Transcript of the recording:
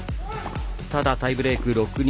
ただ、タイブレーク、６−２。